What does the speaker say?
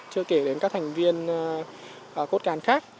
chưa kể đến các thành viên cốt càn khác